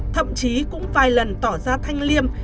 thậm chí cũng vài lần tỏ ra thanh liêm